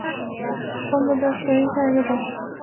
工布杜鹃为杜鹃花科杜鹃属下的一个种。